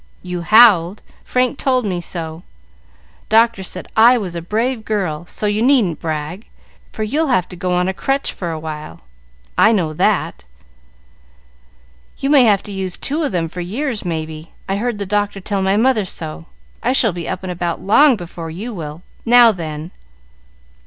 "You howled; Frank told me so. Doctor said I was a brave girl, so you needn't brag, for you'll have to go on a crutch for a while. I know that." "You may have to use two of them for years, may be. I heard the doctor tell my mother so. I shall be up and about long before you will. Now then!"